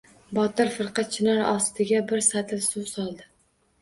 Botir firqa chinor ostiga bir satil suv soldi.